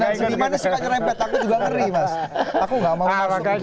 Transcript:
kalau senimannya suka merepet aku juga ngeri mas aku gak mau marah